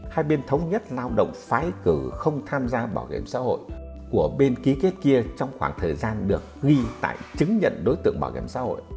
hai bên thống nhất lao động phái cử không tham gia bảo hiểm xã hội của bên ký kết kia trong khoảng thời gian được ghi tại chứng nhận đối tượng bảo hiểm xã hội